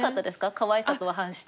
かわいさとは反して。